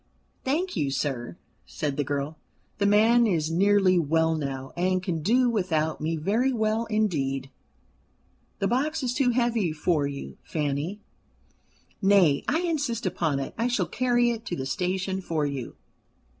"Thank you, sir," said the girl. "The man is nearly well now, and can do without me very well indeed." "The box is too heavy for you, Fanny. Nay, I insist upon it: I shall carry it to the station for you."